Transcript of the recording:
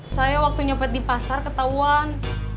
saya waktu nyopet di pasar ketahuan